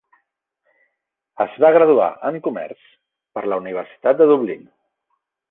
Es va graduar en Comerç per la Universitat de Dublín.